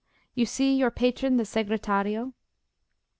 You see your patron the Segretario?"